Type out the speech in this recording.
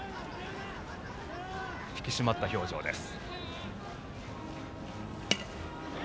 引き締まった表情です。